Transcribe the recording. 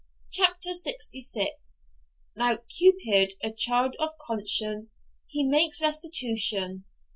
CHAPTER LXVI Now is Cupid a child of conscience he makes restitution.